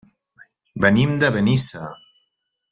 Venim de Benissa.